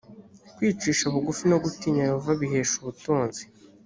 kwicisha bugufi no gutinya yehova bihesha ubutunzi.